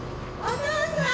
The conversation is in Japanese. お父さん！